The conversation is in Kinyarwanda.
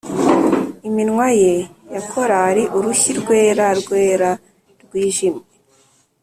iminwa ye ya korali, urushyi rwera rwera rwijimye.